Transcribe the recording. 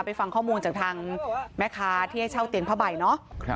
ฟังข้อมูลจากทางแม่ค้าที่ให้เช่าเตียงผ้าใบเนาะ